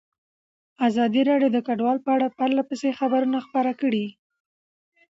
ازادي راډیو د کډوال په اړه پرله پسې خبرونه خپاره کړي.